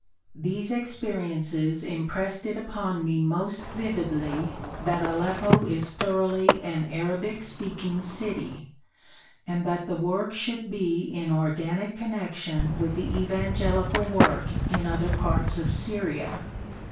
These experiences impressed it upon me most vividly that Aleppo is thoroughly an Arabic speaking city, and that the work should be in organic connection with the evangelical work in other parts of Syria.